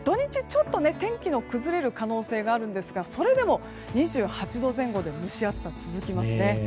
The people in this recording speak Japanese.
ちょっと天気の崩れる可能性があるんですがそれでも２８度前後で蒸し暑さが続きますね。